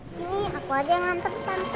sini aku aja yang nganter tante